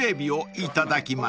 いただきます。